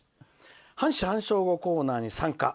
「半死半生語コーナーに参加。